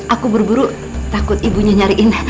aku berburu takut ibunya nyariin